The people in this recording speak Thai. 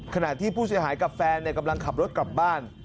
ขณะที่ผู้เสียหายกับแฟนกำลังขับรถกลับบ้าน